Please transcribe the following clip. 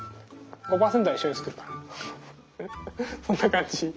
そんな感じ。